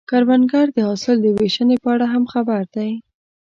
کروندګر د حاصل د ویشنې په اړه هم خبر دی